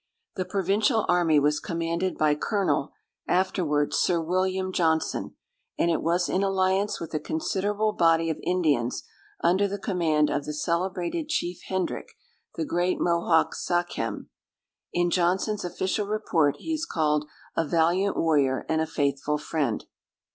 The provincial army was commanded by Colonel, afterwards Sir William, Johnson; and it was in alliance with a considerable body of Indians, under the command of the celebrated chief Hendrick, the great Mohawk Sachem. In Johnson's official report he is called "a valiant warrior, and a faithful friend."